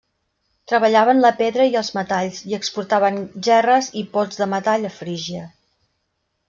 Treballaven la pedra i els metalls, i exportaven gerres i pots de metall a Frígia.